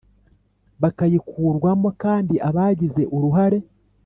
Bakayikurwamo kandi abagize uruhare